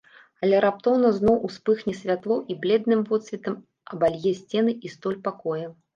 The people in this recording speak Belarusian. Але раптоўна зноў успыхне святло і бледным водсветам абалье сцены і столь пакоя.